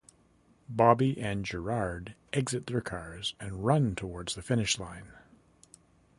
Bobby and Girard exit their cars and run towards the finish line.